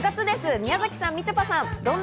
宮崎さん、みちょぱさん。